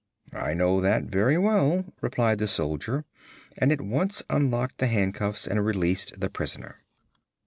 "I know that very well," replied the soldier and at once unlocked the handcuffs and released the prisoner.